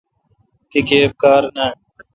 تی گیب کار نان